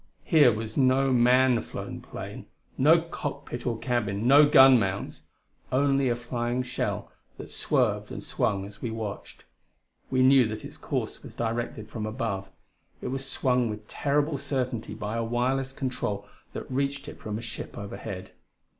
Here was no man flown plane: no cockpit or cabin, no gunmounts. Only a flying shell that swerved and swung as we watched. We knew that its course was directed from above; it was swung with terrible certainty by a wireless control that reached it from a ship overhead.